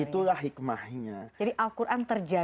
itulah hikmahnya jadi al quran terjadi